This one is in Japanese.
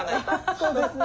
そうですね。